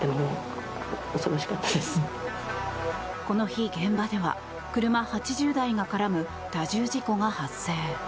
この日、現場では車８０台が絡む多重事故が発生。